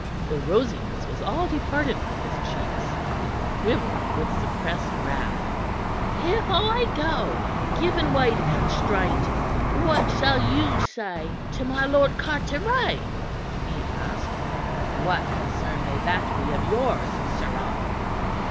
The rosiness was all departed from his cheeks; he quivered with suppressed wrath. "If I go giving way to constraint what shall you say to my Lord Carteret?" he asked. "What concern may that be of yours, sirrah?''